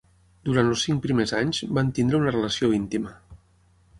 Durant els cinc primers anys, van tenir una relació íntima.